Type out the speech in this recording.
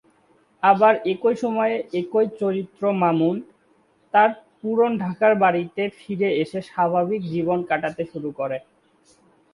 আবার একই সময়ে একই চরিত্র মামুন, তার পুরান ঢাকার বাড়িতে ফিরে এসে স্বাভাবিক জীবন কাটাতে শুরু করে।